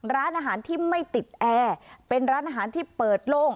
ร้านอาหารที่ไม่ติดแอร์เป็นร้านอาหารที่เปิดโล่ง